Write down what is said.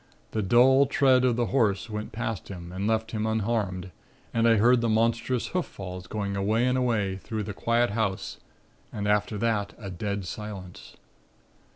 The dull tread of the Horse went past him, and left him unharmed and I heard the monstrous hoof falls going away and away through the quiet house and after that a dead silence.